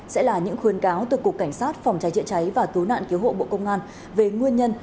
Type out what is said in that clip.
sẽ là những khuyên cáo từ cục cảnh sát phòng trái triệu cháy